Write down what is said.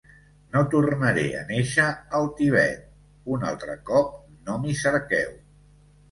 No tornaré a néixer al Tibet un altre cop, no m'hi cerqueu.